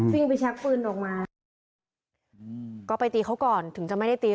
วิ่งไปชักปืนออกมาอืมก็ไปตีเขาก่อนถึงจะไม่ได้ตี